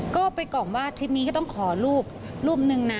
ก็ไปกล่อมว่าทริปนี้ก็ต้องขอรูปรูปนึงนะ